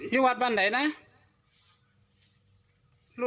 อยู่วัดบ้านไหนนะ